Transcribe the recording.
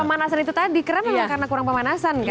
pemanasan itu tadi kram memang karena kurang pemanasan kan